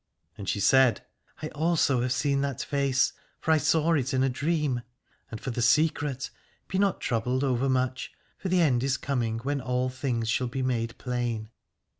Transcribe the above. And she said : I also have seen that face, for I saw it in a dream. And for the secret, be not troubled over much, for the end is coming when all things shall be made plain.